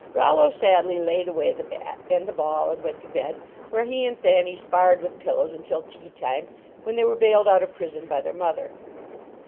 " Rollo sadly laid away the bat and the ball and went to bed, where he and Thanny sparred with pillows until tea time, when they were bailed out of prison by their mother.